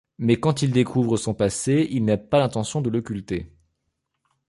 Mais quand il découvre son passé, il n'a pas l'intention de l'occulter.